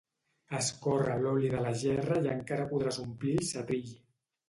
escorre l'oli de la gerra i encara podràs omplir el setrill